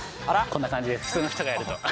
こんな感じです、普通の人がやると。